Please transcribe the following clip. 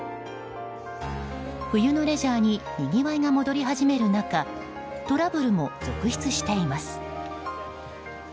冬のレジャーににぎわいが戻り始める中トラブルも続出しています。